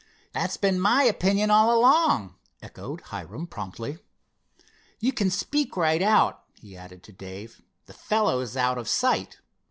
"That's been my opinion all along," echoed Hiram promptly. "You can speak right out," he added to Dave. "The fellow's out of sight.